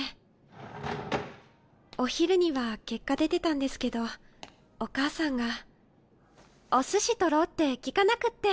ガラガラバタンお昼には結果出てたんですけどお母さんがお寿司取ろうって聞かなくって！